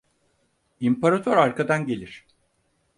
İmparator arkadan gelir.